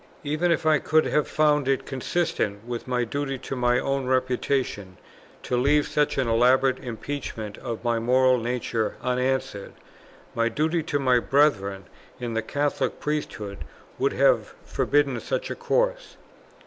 Even if I could have found it consistent with my duty to my own reputation to leave such an elaborate impeachment of my moral nature unanswered, my duty to my Brethren in the Catholic Priesthood, would have forbidden such a course.